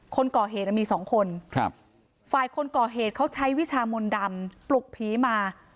คนก่อเหตุมีสองคนครับฝ่ายคนก่อเหตุเขาใช้วิชามนต์ดำปลุกผีมา